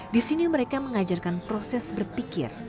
di sini mereka mengajarkan proses berpikir